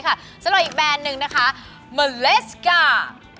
ก็ยังเหมือนกันไง